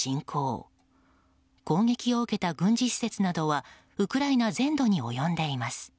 攻撃を受けた軍事施設などはウクライナ全土に及んでいます。